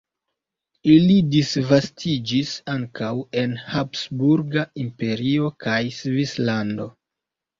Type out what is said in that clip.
Ili disvastiĝis ankaŭ en Habsburga Imperio kaj Svislando.